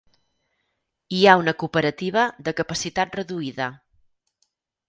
Hi ha una cooperativa de capacitat reduïda.